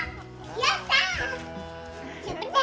やった！